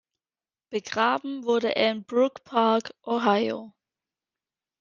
Begraben wurde er in Brook Park, Ohio.